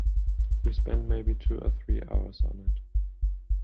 We spent maybe two or three hours on it.